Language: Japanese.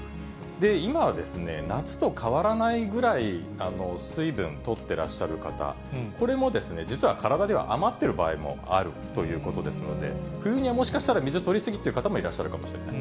今は、夏と変わらないぐらい、水分とってらっしゃる方、これも実は体には余ってることもあるということですので、冬にはもしかしたら水とりすぎという方もいらっしゃるかもしれない。